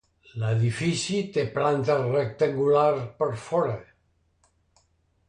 L'edifici té planta rectangular per fora.